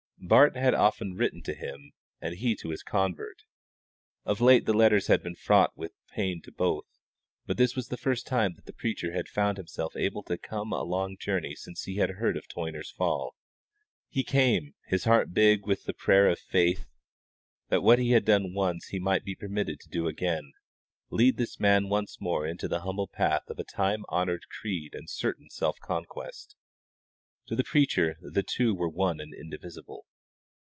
Bart had often written to him, and he to his convert. Of late the letters had been fraught with pain to both, but this was the first time that the preacher had found himself able to come a long journey since he had heard of Toyner's fall. He came, his heart big with the prayer of faith that what he had done once he might be permitted to do again lead this man once more into the humble path of a time honoured creed and certain self conquest. To the preacher the two were one and indivisible.